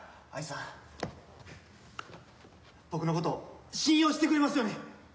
藍さん僕のこと信用してくれますよね？